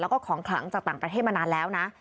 แล้วก็ของขลังจากต่างประเทศมานานแล้วนะ